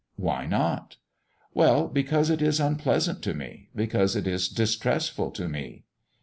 "Why not?" "Well, because it is unpleasant to me because it is distressful to me."